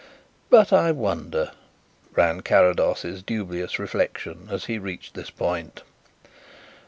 "But I wonder?" ran Carrados's dubious reflection as he reached this point.